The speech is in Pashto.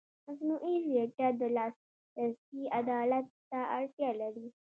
مصنوعي ځیرکتیا د لاسرسي عدالت ته اړتیا لري.